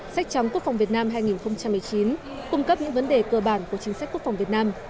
sách trắng quốc phòng việt nam hai nghìn một mươi chín cung cấp những vấn đề cơ bản của chính sách quốc phòng việt nam